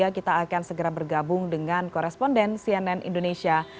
kita akan segera bergabung dengan koresponden cnn indonesia